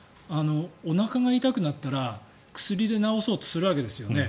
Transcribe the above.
おなかが痛くなったら薬で治そうとするわけですよね。